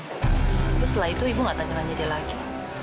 tapi setelah itu ibu nggak tanya tanya dia lagi